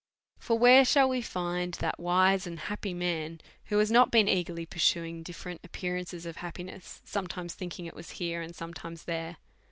For where shall we find that wise and happy man who has not been eagerly pursuing differ ent appearances of happiness, sometimes thinking it was here, and sometimes there?